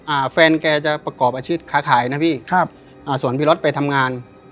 อ่าแฟนแกจะประกอบอาชีพค้าขายนะพี่ครับอ่าส่วนพี่รถไปทำงาน